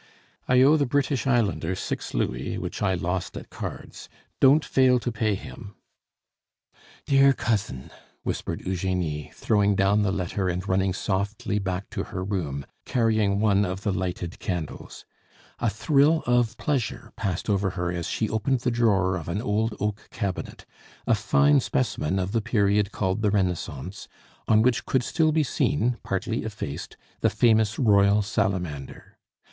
I owe the British Islander six louis, which I lost at cards; don't fail to pay him "Dear cousin!" whispered Eugenie, throwing down the letter and running softly back to her room, carrying one of the lighted candles. A thrill of pleasure passed over her as she opened the drawer of an old oak cabinet, a fine specimen of the period called the Renaissance, on which could still be seen, partly effaced, the famous royal salamander.